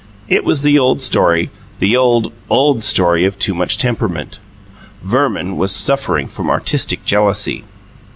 It was the old story the old, old story of too much temperament: Verman was suffering from artistic jealousy.